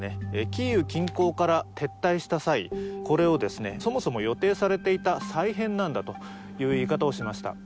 キーウ近郊から撤退した際これをですねそもそも予定されていた再編なんだという言い方をしました